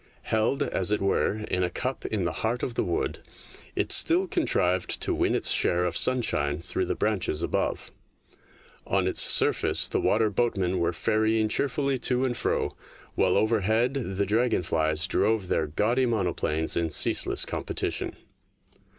Held, as it were, in a cup in the heart of the wood, it still contrived to win its share of sunshine through the branches above. On its surface the water boatmen were ferrying cheerfully to and fro, while overhead the dragon flies drove their gaudy monoplanes in ceaseless competition.